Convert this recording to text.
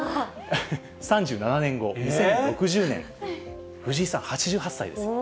３７年後、２０６０年、藤井さん８８歳ですよ。